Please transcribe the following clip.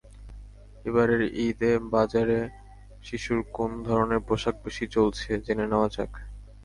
এবারের ঈদে বাজারে শিশুর কোন ধরনের পোশাক বেশি চলছে, জেনে নেওয়া যাক।